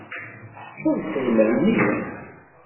Tḥebseḍ Mhenni?